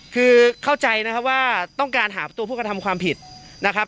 คือเข้าใจนะครับว่าต้องการหาตัวผู้กระทำความผิดนะครับ